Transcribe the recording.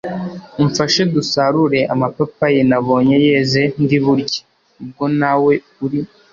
umfashe dusarure amapapayi nabonye yeze ndi burye, ubwo nawe uri